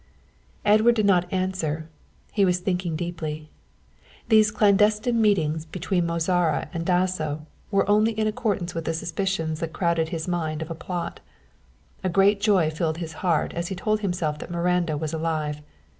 Edward did not answer; he was thinking deeply. These clandestine meetings between Mozara and Dasso were only in accordance with the suspicions that crowded his mind of a plot. A great joy filled his heart as he told himself that Miranda was alive.